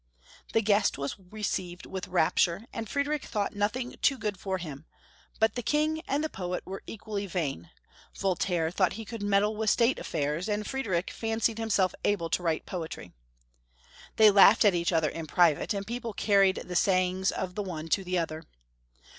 The guest was received with rapture, and Friedrich thought nothing too good for him ; but the King and the poet were equally vain — Voltaire thought he could meddle with state affairs, and Friedrich fancied himself able to write poetry. They laughed Franz I. 403 at each other in private, and people carried the say ings of one to the other.